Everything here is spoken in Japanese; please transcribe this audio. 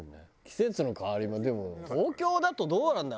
季節の変わり目でも東京だとどうなんだろう？